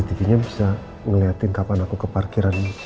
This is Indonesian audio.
cctvnya bisa ngeliatin kapan aku ke parkiran ini